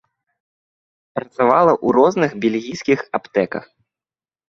Працавала ў розных бельгійскіх аптэках.